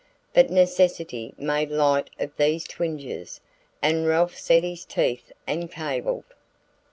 But necessity made light of these twinges, and Ralph set his teeth and cabled.